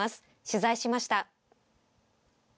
取材しました。